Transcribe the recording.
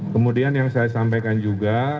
kemudian yang saya sampaikan juga